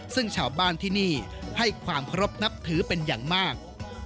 ซึ่งชาวบ้านที่นี่ให้ความเคารพนับถือเป็นอย่างมาก